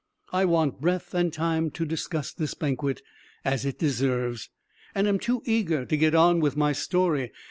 I want breath and time to discuss this banquet as it deserves, and am too eager to get on with my story.